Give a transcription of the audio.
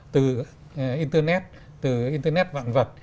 từ internet từ internet vạn vật